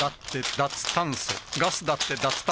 脱炭素ガス・だって・